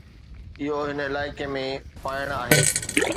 اهو هن علائقي ۾ پائڻ آهي.